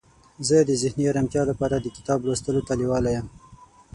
زه د ذهني آرامتیا لپاره د کتاب لوستلو ته لیواله یم.